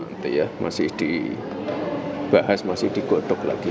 nanti ya masih dibahas masih digodok lagi